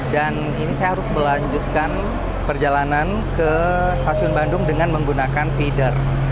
dan ini saya harus melanjutkan perjalanan ke stasiun bandung dengan menggunakan feeder